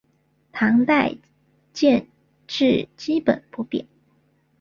唐代建制基本不变。